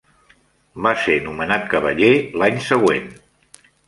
Va ser nomenat cavaller l'any següent.